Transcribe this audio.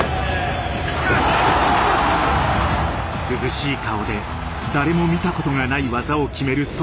涼しい顔で誰も見たことがない技を決める